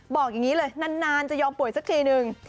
บอกอย่างนี้เลยนานจะยอมป่วยสักทีนึง